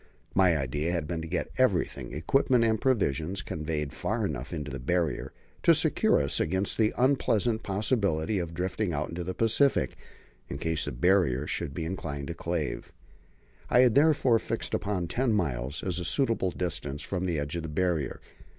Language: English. My idea had been to get everything equipment and provisions conveyed far enough into the Barrier to secure us against the unpleasant possibility of drifting out into the Pacific in case the Barrier should be inclined to calve. I had therefore fixed upon ten miles as a suitable distance from the edge of the Barrier.